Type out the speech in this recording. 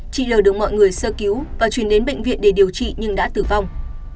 chị l được mọi người sơ cứu và chuyển đến bệnh viện để điều trị nhưng đã tử vong